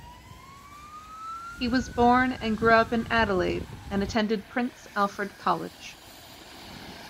He was born and grew up in Adelaide, and attended Prince Alfred College.